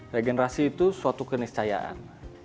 regenerasi itu suatu keniscayaan